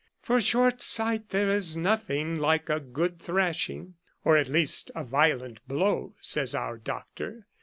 For short sight there is nothing like a good thrashing, or at least a violent blow, says our doctor.